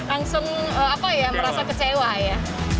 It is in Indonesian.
langsung merasa kecewa ya